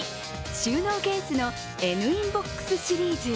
収納ケースのＮインボックスシリーズ。